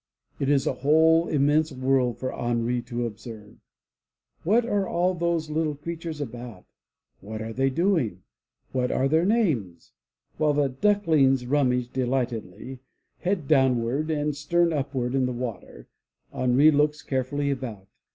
It is a whole immense world for Henri to observe. What are all those little creatures about? What are they doing? What are their names? While the ducklings nmimage delightedly, head downward and stem upward in the water, Henri looks carefully about.